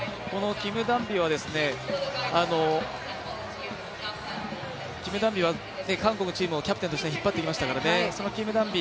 このキム・ダンビは韓国のチームをキャプテンとして引っ張ってきましたから、そのキム・ダンビ